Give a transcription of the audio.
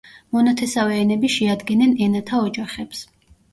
მონათესავე ენები შეადგენენ ენათა ოჯახებს.